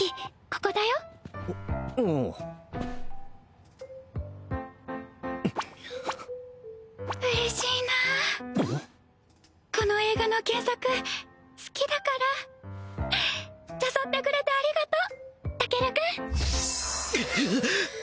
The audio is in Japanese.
ここだよおおう嬉しいなこの映画の原作好きだから誘ってくれてありがとうタケル君